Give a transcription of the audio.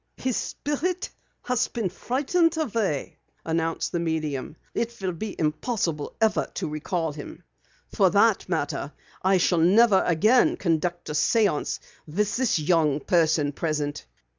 "His Spirit has been frightened away," announced the medium. "It will be impossible ever to recall him. For that matter, I shall never again conduct a séance with this young person present.